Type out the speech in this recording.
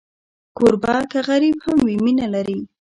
کوربه که غریب هم وي، مینه لري.